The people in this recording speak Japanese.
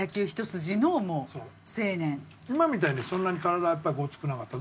今みたいにそんなに体はやっぱりごつくなかった。